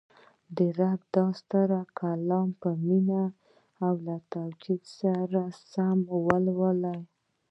د رب دا ستر کلام په مینه او له تجوید سره سم ولولو